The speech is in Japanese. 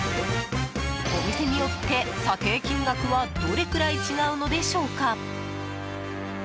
お店によって査定金額はどれくらい違うのでしょうか。